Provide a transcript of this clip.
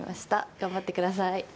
頑張ってください。